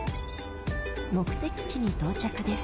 目的地に到着です